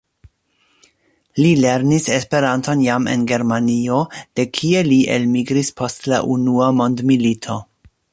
Li lernis Esperanton jam en Germanio, de kie li elmigris post la Unua mondmilito.